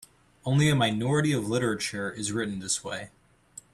Only a minority of literature is written this way.